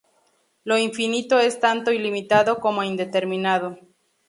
Lo infinito es tanto ilimitado como indeterminado.